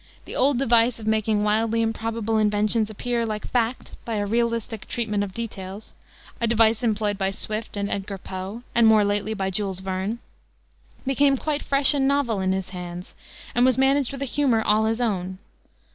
The old device of making wildly improbable inventions appear like fact by a realistic treatment of details a device employed by Swift and Edgar Poe, and more lately by Jules Verne became quite fresh and novel in his hands, and was managed with a humor all his own.